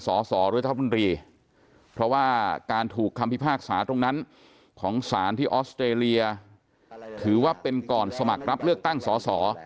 สสรัฐมนตรีเพราะว่าการถูกคำพิพากษาตรงนั้นของสารที่ออสเตรเลียถือว่าเป็นก่อนสมัครรับเลือกตั้งสอสอ